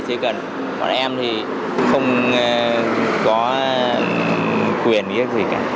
chứ còn em thì không có quyền gì cả